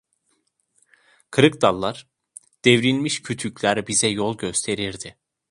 Kırık dallar, devrilmiş kütükler bize yol gösterirdi.